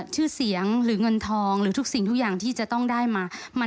ชื่อเสียงหรือเงินทองหรือทุกสิ่งทุกอย่างที่จะต้องได้มา